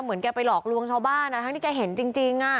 แกไปหลอกลวงชาวบ้านทั้งที่แกเห็นจริง